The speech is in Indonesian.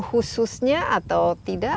khususnya atau tidak